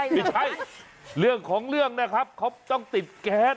ไม่ใช่เรื่องของเรื่องนะครับเขาต้องติดแก๊ส